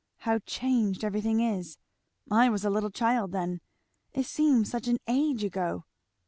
How changed everything is! I was a little child then. It seems such an age ago!